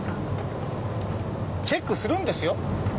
チェックするんですよ？